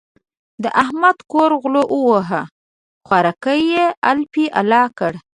د احمد کور غلو وواهه؛ خوراکی يې الپی الا کړ.